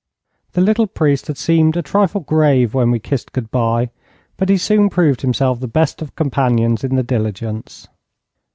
The little priest had seemed a trifle grave when we kissed good bye, but he soon proved himself the best of companions in the diligence.